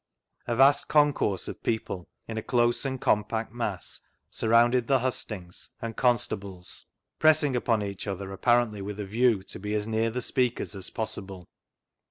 A vast con course of people, in a close and compact mass, surrounded the hustings and constables, pressing upon each other apparently with a view to be as near the speakers as possible.